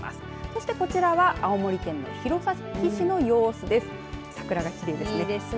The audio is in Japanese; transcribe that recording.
そしてこちらは青森県弘前市の様子です。